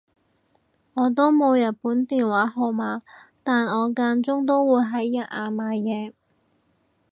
我都冇日本電話號碼但我間中都會喺日亞買嘢